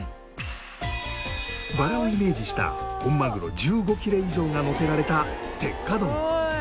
バラをイメージした本マグロ１５切れ以上がのせられた鉄火丼。